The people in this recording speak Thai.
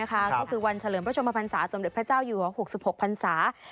ก็คือวันเฉลินประชมภัณฑสาห์สมเด็จพระเจ้าอยู่หัว๖๖ภัณฑศาสม